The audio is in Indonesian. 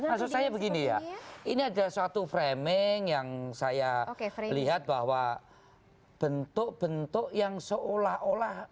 maksud saya begini ya ini adalah suatu framing yang saya lihat bahwa bentuk bentuk yang seolah olah